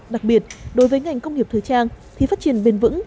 đặc biệt đối với ngành công nghiệp thời trang thì phát triển bền vững